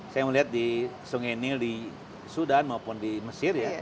saya melihat di sungai nil di sudan maupun di mesir ya